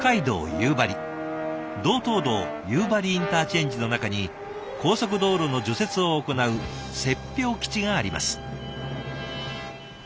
道東道夕張インターチェンジの中に高速道路の除雪を行う雪氷基地があります。